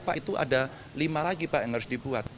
pak itu ada lima lagi pak yang harus dibuat